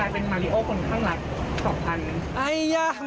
จะกลายเป็นมาริโอคนข้างลัก๒๐๐๐นิด